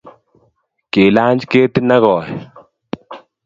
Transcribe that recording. Kilany ketit ne koi